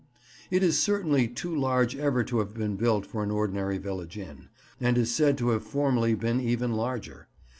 It is clearly too large ever to have been built for an ordinary village inn, and is said to have formerly been even larger.